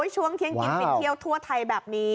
ช่วงเที่ยงกินฟินเที่ยวทั่วไทยแบบนี้